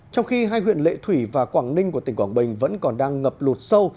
trong khi hai huyện lệ thủy và quảng ninh của tỉnh quảng bình vẫn còn đang ngập lụt sâu